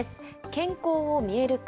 健康を見える化